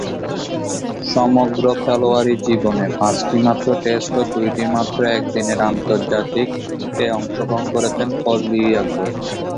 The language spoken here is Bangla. সমগ্র খেলোয়াড়ী জীবনে পাঁচটিমাত্র টেস্ট ও দুইটিমাত্র একদিনের আন্তর্জাতিকে অংশগ্রহণ করেছেন ফজল-ই-আকবর।